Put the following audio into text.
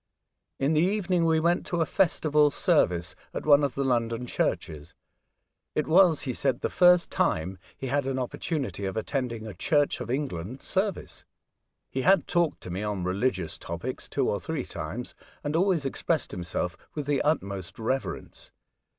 In the evening we went to a festival service at one of the London churches. It was, he said, the first time he had an opportunity of attending a Church of England service. He had talked to me on religious topics two or three times, and always expressed himself with the utmost reverence.